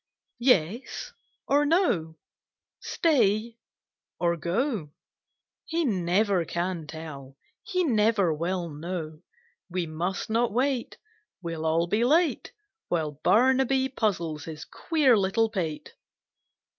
YES or No? Stay or Go? He never can tell, he never will know! We must not wait, We'll all be late, While Barnaby puzzles his queer little pate!